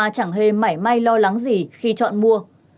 chẳng hề may lo lắng gì khi chọn mua